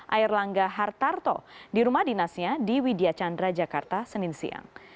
ayerlangga hartarto di rumah dinasnya di widyacandra jakarta senin siang